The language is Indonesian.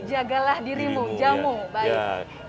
jagalah dirimu jamu baik